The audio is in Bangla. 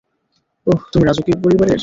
ওহ, তুমি রাজকীয় পরিবারের?